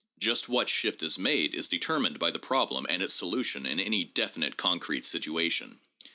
Just what shift is made is determined by the problem and its solution in any definite concrete situation.